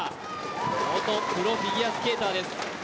元プロフィギュアスケーターです。